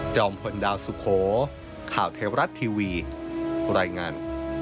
พลดาวสุโขข่าวเทวรัฐทีวีรายงาน